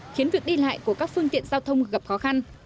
khiến việc đi lại của các phương tiện giao thông gặp khó khăn